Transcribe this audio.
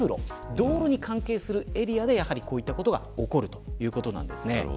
道路に関係するエリアでこういったことが起きるということなんです。